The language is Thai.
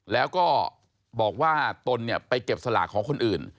แล้วก็บอกว่าตนเนี่ยไปเก็บสลากของคนอื่น